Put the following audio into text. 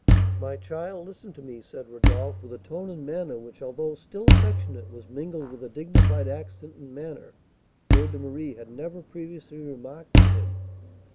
"My child, listen to me," said Rodolph, with a tone and manner which, although still affectionate, was mingled with a dignified accent and manner Fleur de Marie had never previously remarked in him.